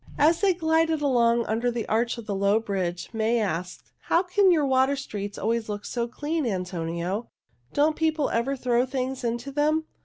As they glided along under the arch of a low bridge, May asked, "How can your water streets always look so clean, Antonio? Don't people ever throw things into them?"